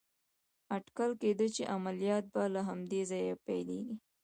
اټکل کېده چې عملیات به له همدې ځایه پيلېږي.